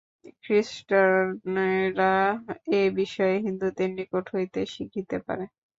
খ্রীষ্টানরা এ-বিষয়ে হিন্দুদের নিকট হইতে শিখিতে পারে।